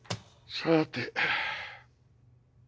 さて。